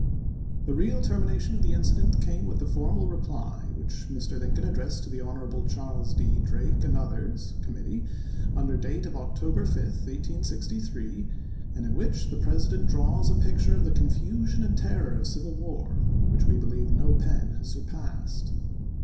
The real termina tion of the incident came with the foimal reply which Mr. Lincoln addressed to Hon. Charles D. Drake and others, committee, under date of Octo ber 5, 1863, and in which the President draws a picture of the confusion and terror of civil war which we believe no pen has surpassed.